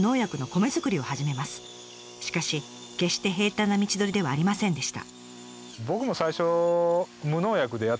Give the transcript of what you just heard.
しかし決して平たんな道のりではありませんでした。